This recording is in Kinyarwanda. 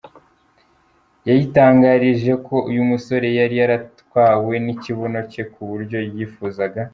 yayitangarije ko uyu musore yari yaratwawe nikibuno cye ku buryo yifuzaga.